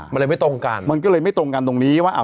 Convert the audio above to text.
มันเลยไม่ตรงกันมันก็เลยไม่ตรงกันตรงนี้ว่า